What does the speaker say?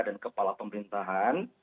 dan kepala pemerintahan